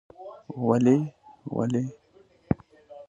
ولې؟ ولې؟؟؟ ….